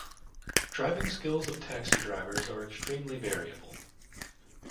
Driving skills of taxi drivers are extremely variable.